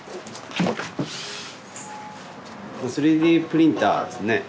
３Ｄプリンターですね。